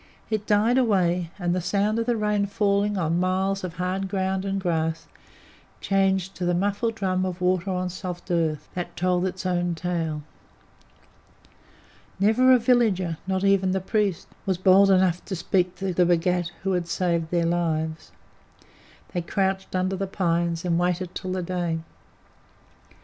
It died away, and the sound of the rain falling on miles of hard ground and grass changed to the muffled drum of water on soft earth. That told its own tale. Never a villager not even the priest was bold enough to speak to the Bhagat who had saved their lives. They crouched under the pines and waited till the day.